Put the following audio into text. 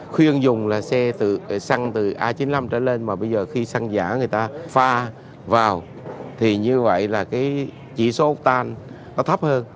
khuyên dùng là xe xăng từ a chín mươi năm trở lên mà bây giờ khi xăng giả người ta pha vào thì như vậy là cái chỉ số tan nó thấp hơn